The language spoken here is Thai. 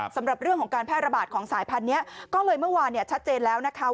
สำหรับเรื่องของการแพร่ระบาดของสายพันธุ์นี้ก็เลยเมื่อวานชัดเจนแล้วนะคะ